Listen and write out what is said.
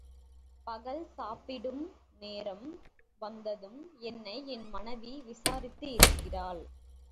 பகல் சாப்பிடும் நேரம் வந்ததும் என்னை என் மனைவி விசாரித்து இருக்கிறாள்.